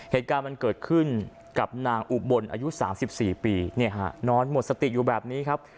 เหตุการณ์มันเกิดขึ้นกับนางอุบลอายุ๓๔ปีนอนหมดสติอยู่แบบนี้ครับ